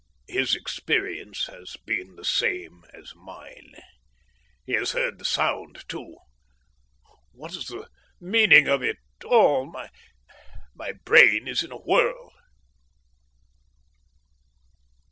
His experience has been the same as mine. He has heard the sound, too. What is the meaning of it all? My brain is in a whirl.